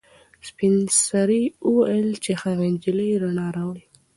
سپین سرې وویل چې هغه نجلۍ رڼا راوړي.